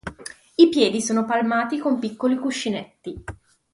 I piedi sono palmati con piccoli cuscinetti.